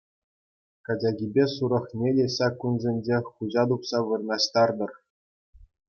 Качакипе сурӑхне те ҫак кунсенчех хуҫа тупса вырнаҫтартӑр.